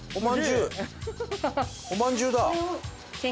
おまんじゅうだ！